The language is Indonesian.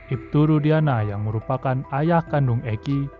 ibturudiana yang merupakan ayah kandung eki